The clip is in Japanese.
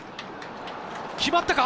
決まったか？